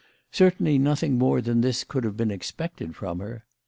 Certainly nothing more than this could have been expected from her.